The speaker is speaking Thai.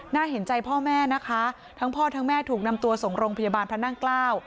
เห็นใจพ่อแม่นะคะทั้งพ่อทั้งแม่ถูกนำตัวส่งโรงพยาบาลพระนั่งเกล้า